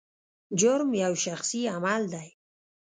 جرم یو شخصي عمل دی.